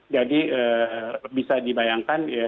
jadi bisa dibayangkan ya